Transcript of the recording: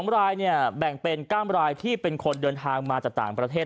๒รายแบ่งเป็น๙รายที่เป็นคนเดินทางมาจากต่างประเทศ